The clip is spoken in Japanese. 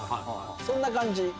そんな感じ。